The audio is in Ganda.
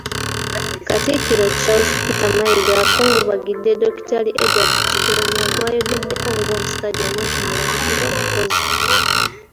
Katikkiro Charles Peter Mayiga, akungubagidde Dokitaali Edward Kigonya gw'ayogeddeko ng'omusajja omuntumulamu era omukozi.